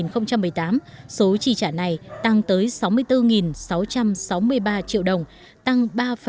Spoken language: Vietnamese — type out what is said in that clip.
từ năm hai nghìn một mươi tám số chi trả này tăng tới sáu mươi bốn sáu trăm sáu mươi ba triệu đồng tăng ba bốn mươi hai